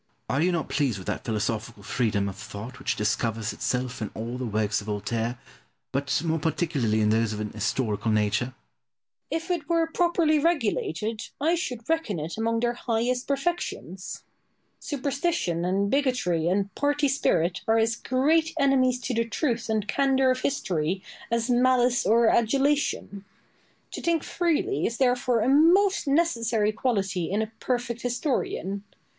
Pope. Are you not pleased with that philosophical freedom of thought which discovers itself in all the works of Voltaire, but more particularly in those of an historical nature? Boileau. If it were properly regulated, I should reckon it among their highest perfections. Superstition, and bigotry, and party spirit are as great enemies to the truth and candour of history as malice or adulation. To think freely is therefore a most necessary quality in a perfect historian.